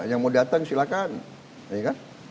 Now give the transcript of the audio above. yang mau datang silakan